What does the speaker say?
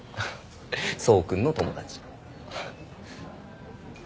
想君の友達。